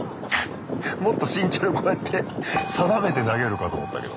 もっと慎重にこうやって定めて投げるかと思ったけど。